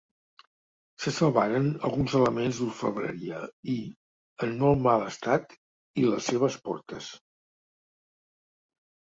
Se salvaren alguns elements d'orfebreria i, en molt mal estat i les seves portes.